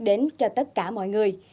đến cho tất cả mọi người